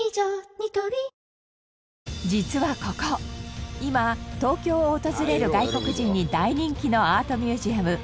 ニトリ実はここ今東京を訪れる外国人に大人気のアートミュージアム。